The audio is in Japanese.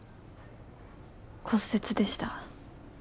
骨折でした。